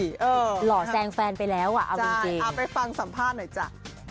หล่อแซงแฟนไปแล้วอ่ะเอาจริงเอาไปฟังสัมภาษณ์หน่อยจ้ะ